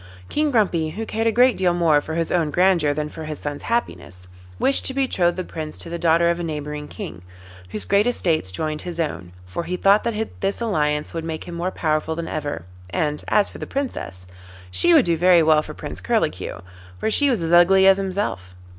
King Grumpy, who cared a great deal more for his own grandeur than for his son's happiness, wished to betroth the Prince to the daughter of a neighbouring King, whose great estates joined his own, for he thought that this alliance would make him more powerful than ever, and as for the Princess she would do very well for Prince Curlicue, for she was as ugly as himself.